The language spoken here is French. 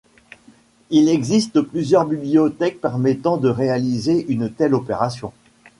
Il existe plusieurs bibliothèques permettant de réaliser une telle opération.